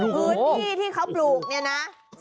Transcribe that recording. พื้นที่ที่เขาปลูกเนี่ยนะ